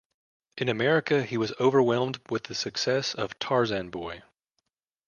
In America, he was overwhelmed with the success of "Tarzan Boy".